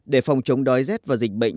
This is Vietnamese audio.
để phòng chống đói rét và dịch bệnh